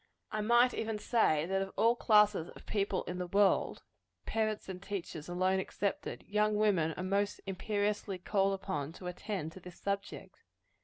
I might even say, that of all classes of people in the world parents and teachers alone excepted young women are most imperiously called upon to attend to this subject.